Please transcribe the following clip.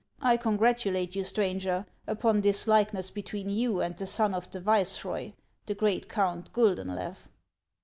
I congratulate you, stranger, upon this likeness between you and the sou of the viceroy, the great Count Guldenlew."